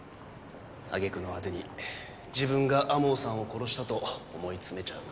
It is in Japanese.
揚げ句の果てに自分が天羽さんを殺したと思い詰めちゃうなんてねえ。